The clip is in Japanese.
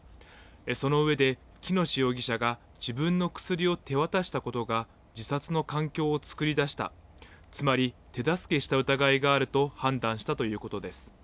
その上で、喜熨斗容疑者が自分の薬を手渡したことが自殺の環境を作り出した、つまり手助けした疑いがあると判断したということです。